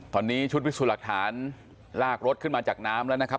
ตอนนี้ชุดพิสูจน์หลักฐานลากรถขึ้นมาจากน้ำแล้วนะครับ